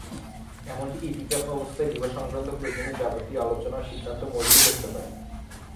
এমনকি ইতিকাফ অবস্থায় বিবাহসংক্রান্ত প্রয়োজনীয় যাবতীয় আলোচনা ও সিদ্ধান্ত মসজিদে হতে পারে।